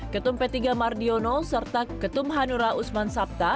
ketum p tiga mardiono serta ketum hanura usman sabta